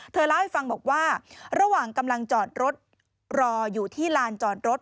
เล่าให้ฟังบอกว่าระหว่างกำลังจอดรถรออยู่ที่ลานจอดรถ